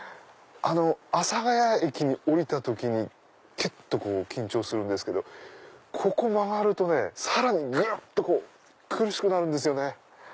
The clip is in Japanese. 阿佐ケ谷駅降りた時にきゅっと緊張するんですけどここ曲がるとねさらにぐっと苦しくなるんですよね。